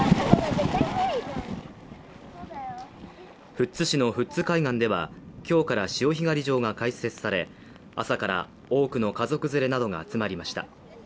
富津市の富津海岸では、今日から潮干狩り場が開設され、朝から多くの家族連れなどが集まりました。